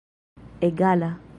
egala